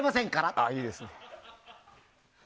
ああ、いいですね。